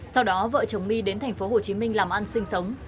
sau đó vợ chồng my đến thành phố hồ chí minh làm ăn sinh sống